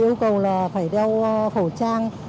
yêu cầu là phải đeo khẩu trang